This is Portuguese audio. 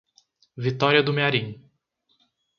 Vitória do Mearim